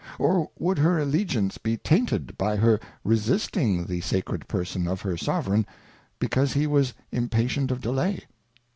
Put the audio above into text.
Or would her Allegiance be tainted by her resisting the sacred Person of her Sovereign, because he was impatient of delay